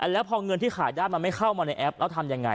แล้วพอเงินที่ขายได้มันไม่เข้ามาในแอปแล้วทำยังไง